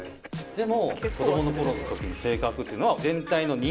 でも。